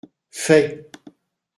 Fais.